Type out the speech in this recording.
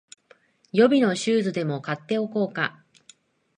予備のシューズでも買っておこうか